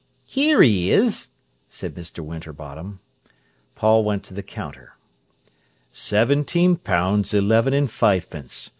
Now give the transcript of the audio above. "Here he is!" said Mr. Winterbottom. Paul went to the counter. "Seventeen pounds eleven and fivepence.